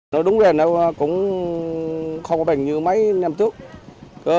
nước này nó cũng không bình như mấy năm trước